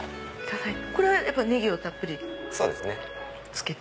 これはネギをたっぷりつけて。